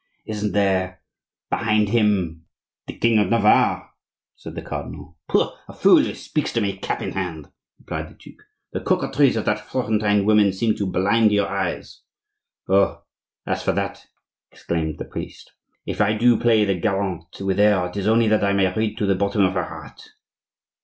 Isn't there, behind him—" "The king of Navarre," said the cardinal. "Pooh! a fool who speaks to me cap in hand!" replied the duke. "The coquetries of that Florentine woman seem to blind your eyes—" "Oh! as for that," exclaimed the priest, "if I do play the gallant with her it is only that I may read to the bottom of her heart."